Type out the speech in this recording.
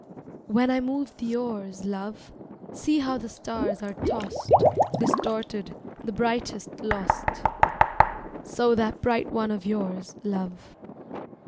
When I move the oars, love, See how the stars are tossed, Distorted, the brightest lost. So that bright one of yours, love.